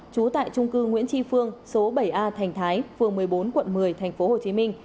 trú tại trung cư nguyễn tri phương số bảy a thành thái phường một mươi bốn quận một mươi tp hcm